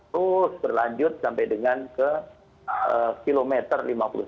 terus berlanjut sampai dengan ke kilometer lima puluh satu